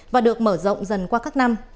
và được mở rộng dần qua các năm